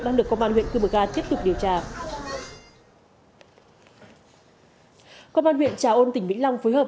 đang được công an huyện cư mờ ga tiếp tục điều tra công an huyện trà ôn tỉnh vĩnh long phối hợp